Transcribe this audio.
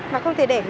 mà không thể để